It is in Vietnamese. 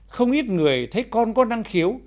không ít người thấy con có năng khiếu